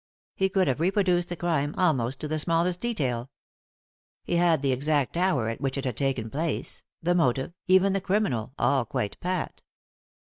He could have reproduced the crime, almost to the smallest detail. He had the exact hour at which it had taken place ; the motive ; even the criminal ; all quite pat.